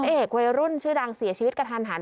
เอกวัยรุ่นชื่อดังเสียชีวิตกระทันหัน